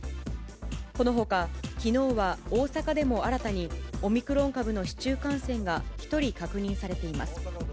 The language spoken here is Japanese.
このほか、きのうは大阪でも新たにオミクロン株の市中感染が１人確認されています。